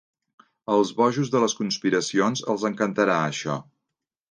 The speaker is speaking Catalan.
Als bojos de les conspiracions els encantarà, això.